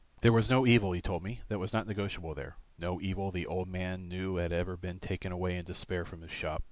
There was no evil, he told me, that was not negotiable there; no evil the old man knew had ever been taken away in despair from his shop.